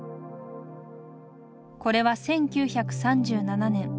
これは１９３７年